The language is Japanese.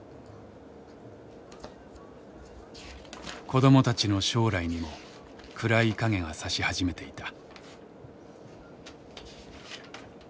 子どもたちの将来にも暗い影がさし始めていた。